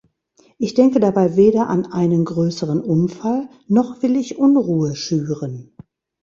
Ich denke dabei weder an einen größeren Unfall, noch will ich Unruhe schüren.